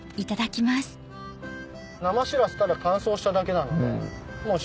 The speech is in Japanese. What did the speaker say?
生シラスただ乾燥しただけなので。